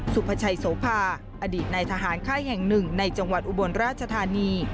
พชัยโสภาอดีตในทหารค่ายแห่งหนึ่งในจังหวัดอุบลราชธานี